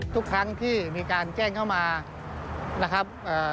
ทุกครั้งที่มีการแจ้งเข้ามานะครับ